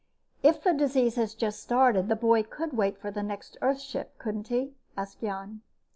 "If the disease has just started, the boy could wait for the next Earth ship, couldn't he?" asked Jan.